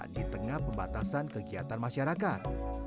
di tengah pembatasan kegiatan masyarakat